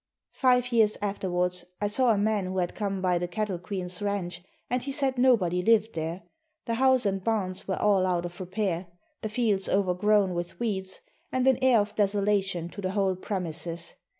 Five years afterwards I saw a man who had come by The Cattle Queen's ranch and he said nobody lived there. The house and barns were all out of repair; the fields overgrown with weeds and an air of desolation to the whole premises.